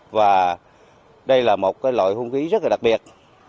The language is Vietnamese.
và đây là một loại hung khí rất là đặc biệt